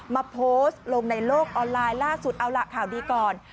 มาโพสต์ลงในโลกออนไลน์ล่าสุดเอาล่ะข่าวดีก่อน